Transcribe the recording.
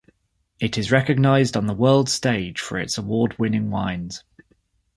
It is recognised on the world stage for its award-winning wines.